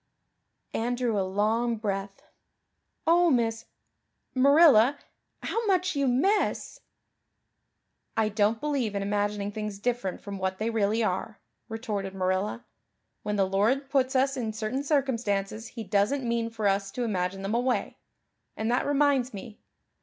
Anne drew a long breath. "Oh, Miss Marilla, how much you miss!" "I don't believe in imagining things different from what they really are," retorted Marilla. "When the Lord puts us in certain circumstances He doesn't mean for us to imagine them away. And that reminds me.